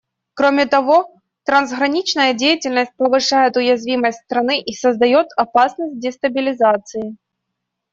Кроме того, трансграничная деятельность повышает уязвимость страны и создает опасность дестабилизации.